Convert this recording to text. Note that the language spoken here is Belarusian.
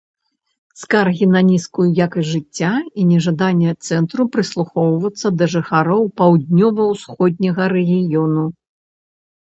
Скаргі на нізкую якасць жыцця і нежаданне цэнтру прыслухоўвацца да жыхароў паўднёва-усходняга рэгіёну.